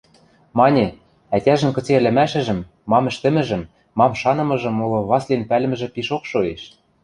Мане, ӓтяжӹн кыце ӹлӹмӓшӹжӹм, мам ӹштӹмӹжӹм, мам шанымыжым моло Васлин пӓлӹмӹжӹ пишок шоэш.